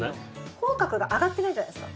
口角が上がってないじゃないですか。